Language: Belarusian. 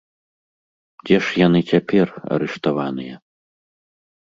Дзе ж яны цяпер, арыштаваныя?